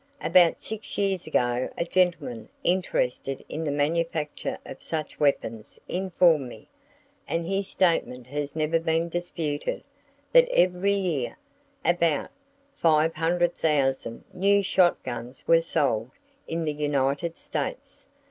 About six years ago a gentleman interested in the manufacture of such weapons informed me, and his statement has never been disputed, that every year about 500,000 new shot guns were sold in the United States.